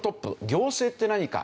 行政って何か？